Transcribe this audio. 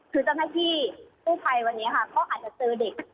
คือเจ้าหน้าที่กู้ภัยวันนี้ค่ะก็อาจจะเจอเด็ก